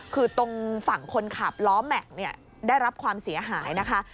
คือตรงฝั่งคนขับล้อแม็กซ์ได้รับความเสียหายนะคะ